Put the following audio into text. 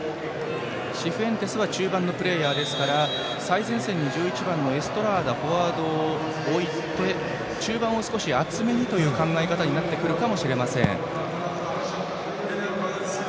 シフエンテスは中盤のプレーヤーですから最前線に１１番のエストラーダフォワードを置いて中盤を厚めにという考え方になってくるかもしれません。